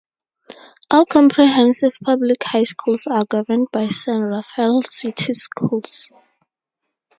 All comprehensive public high schools are governed by San Rafael City Schools.